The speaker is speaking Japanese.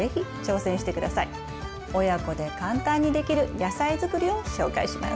親子で簡単にできる野菜づくりを紹介します。